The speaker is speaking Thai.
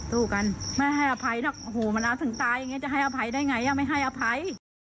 สู้กันไม่ให้อภัยหรอกโอ้โหมันเอาถึงตายอย่างนี้จะให้อภัยได้ไงไม่ให้อภัย